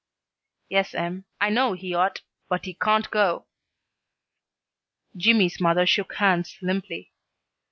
"Yes 'm, I know he ought, but he can't go." Jimmy's mother shook hands, limply.